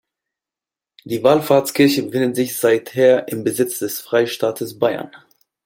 Die Wallfahrtskirche befindet sich seither im Besitz des Freistaates Bayern.